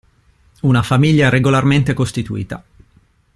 Una famiglia regolarmente costituita.